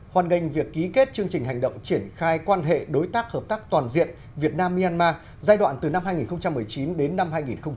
hoàn ngành việc ký kết chương trình hành động triển khai quan hệ đối tác hợp tác toàn diện việt nam myanmar giai đoạn từ năm hai nghìn một mươi chín đến năm hai nghìn hai mươi